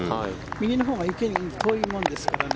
右のほうが池に遠いもんですからね。